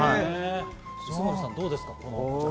磯村さん、どうですか？